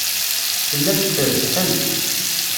Tellamt trebbḥemt.